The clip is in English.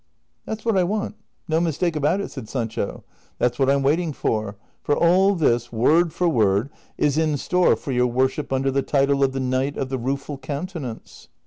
" That 's what I want, no mistake about it !" said Sancho. " That 's what I 'm waiting for ; for all this, word for word, is in store for your worship under the title of The Knight of the Kueful Countenance."